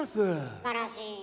すばらしい。